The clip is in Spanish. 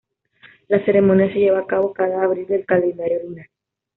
La ceremonia se lleva a cabo cada Abril del calendario lunar.